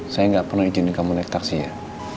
saya gak pernah izin kamu naik taksi ya